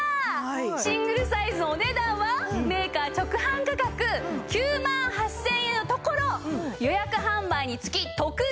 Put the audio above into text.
シングルサイズお値段はメーカー直販価格９万８０００円のところ予約販売につき特別価格です！